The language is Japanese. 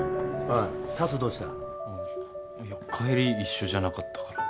あっいや帰り一緒じゃなかったから。